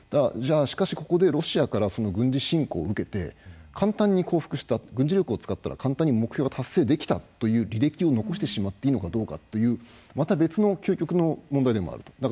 じゃあしかしここでロシアから軍事侵攻を受けて簡単に降伏した軍事力を使ったら簡単に目標が達成できたという履歴を残してしまっていいのかどうかというまた別の究極の問題でもあると。